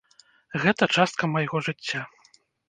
Гэта частка майго жыцця.